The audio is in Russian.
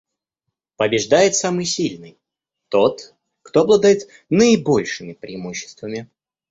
Побеждает самый сильный, тот, кто обладает наибольшими преимуществами.